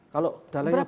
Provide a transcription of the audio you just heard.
kalau dalangnya belum